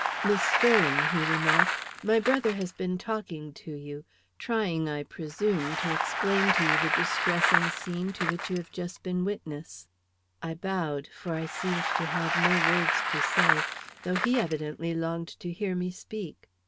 "Miss Sterling," he remarked, "my brother has been talking to you, trying, I presume, to explain to you the distressing scene to which you have just been witness." I bowed, for I seemed to have no words to say, though he evidently longed to hear me speak.